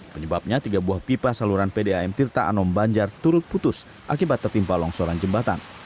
penyebabnya tiga buah pipa saluran pdam tirta anom banjar turut putus akibat tertimpa longsoran jembatan